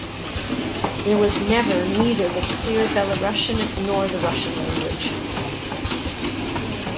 There was never neither the clean Belarusian nor the Russian language.